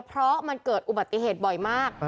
เพราะมันเกิดอุบัติเหตุบ่อยมาก